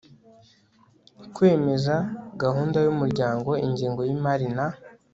kwemeza gahunda y umuryango ingengo y imari na